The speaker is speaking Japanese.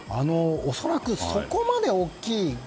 恐らく、そこまで大きい。